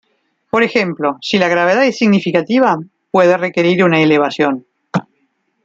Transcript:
Por ejemplo, si la gravedad es significativa, puede requerir una elevación.